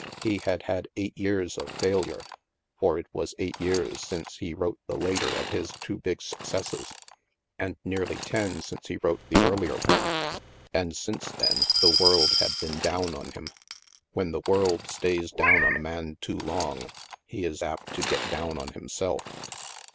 He had had eight years of failure — for it was eight years since he wrote the later of his two big successes, and nearly ten since he wrote the earlier one. And since then, the world had been down on him. When the world stays down on a man too long, he is apt to get down on himself.